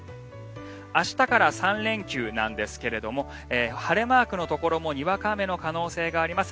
明日から３連休なんですが晴れマークのところもにわか雨の可能性があります。